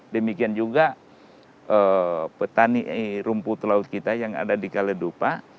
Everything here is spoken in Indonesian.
demikian juga petani rumput laut kita yang ada di kaledupa